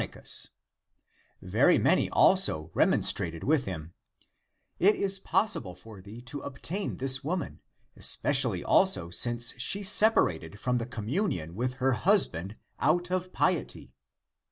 l62 THE APOCRYPHAL ACTS remonstrated with him, "It is impossible for thee to obtain this woman, especially also since she sep arated from the communion with her husband out of piety.